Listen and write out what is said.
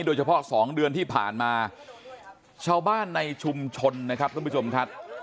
โดยเฉพาะ๒เดือนที่ผ่านมาชาวบ้านในชุมชนนะครับท่านผู้ชมครับ